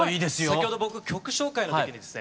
先ほど僕曲紹介の時ですね